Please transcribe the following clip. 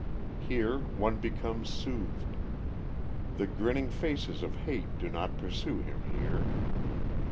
Here one becomes soothed. The grinning faces of hate do not pursue him here.